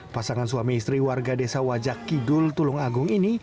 pasangan suami istri warga desa wajak kidul tulung agung ini